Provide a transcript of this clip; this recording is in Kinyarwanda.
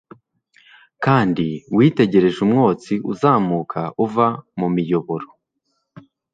Kandi witegereje umwotsi uzamuka uva mu miyoboro